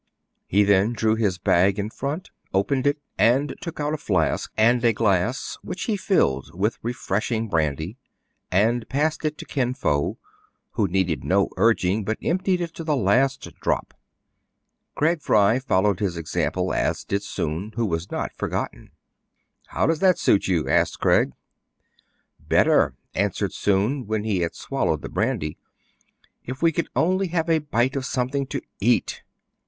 He then drew his bag in front, opened it, and took out a flask, and a glass which he filled with refreshing brandy, and passed to Kin Fo, who needed no urging, but emptied it to the last drop. Craig Fry followed his example, as did Soun, who was not forgotten. How does that suit you }" asked Craig. "Better," answered Soun, when he had swal lowed the brandy. " If we could only have a bite of something to eat